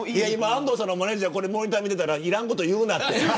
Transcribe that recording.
安藤さんのマネジャー見てたらいらんこと言うなって。